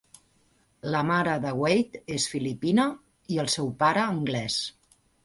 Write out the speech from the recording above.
La mare de Wade és filipina i el seu pare anglès.